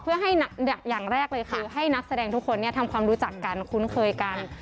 เพื่อให้อย่างแรกเลยคือให้นักแสดงทุกคนทำความรู้จักกันคุ้นเคยกัน